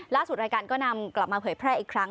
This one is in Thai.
รายการก็นำกลับมาเผยแพร่อีกครั้ง